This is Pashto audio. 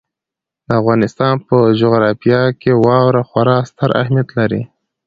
د افغانستان په جغرافیه کې واوره خورا ستر اهمیت لري.